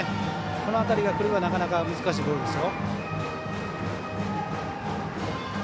この辺りがくればなかなか難しいボールですよ。